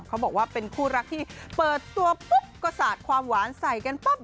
เขาบอกว่าเป็นคู่รักที่เปิดตัวปุ๊บก็สาดความหวานใส่กันปั๊บ